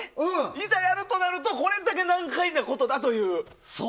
いざやるとなるとこれだけ難解なことだと。